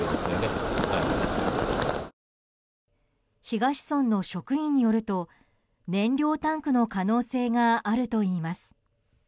東村の職員によると燃料タンクの可能性があるといいます。